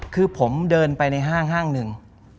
คือผมเดินไปในห้างหนึ่ง